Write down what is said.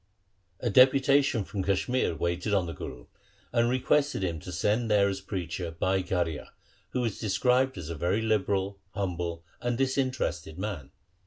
A deputation from Kashmir waited on the Guru, and requested him to send there as preacher Bhai Garhia, who is described as a very liberal, humble, and disinterested man.